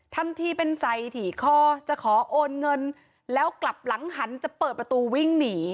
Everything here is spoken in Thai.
ทำทีเป็นใส่ถี่คอจะขอโอนเงินแล้วกลับหลังหันจะเปิดประตูวิ่งหนี